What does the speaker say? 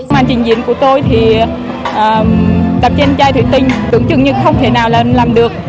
mang trình diễn của tôi thì tập trên chai thủy tinh tưởng chừng như không thể nào làm được